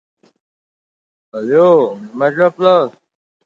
Uning oʻgʻli keyinchalik Angliya bosh vaziri boʻladi